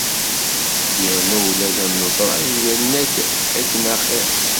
Yerna ula d ameẓrag yenna-d akken axir.